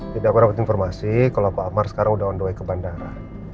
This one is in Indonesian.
jadi aku dapet informasi kalau pak amar sekarang udah on the way ke bandara